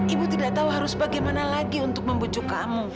ibu tidak tahu harus bagaimana lagi untuk membujuk kamu